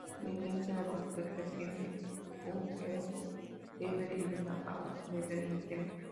Estudió Ciencias de la Computación tiene un O-Level y un A-Level en el tema.